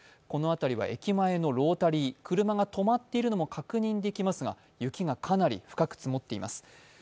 この辺りは駅前のロータリー、車が止まっているのも確認できますが、雪がかなり深く積もっています。